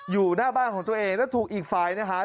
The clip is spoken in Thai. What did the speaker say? อยู่หน้าบ้านของตัวเองแล้วถูกอีกฝ่ายนะฮะ